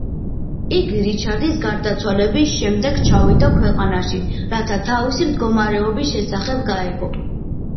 იგი რიჩარდის გარდაცვალების შემდეგ ჩავიდა ქვეყანაში, რათა თავისი მდგომარეობის შესახებ გაეგო.